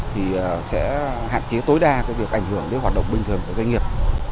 thì sẽ hạn chế tối đa việc ảnh hưởng đến hoạt động bình thường của doanh nghiệp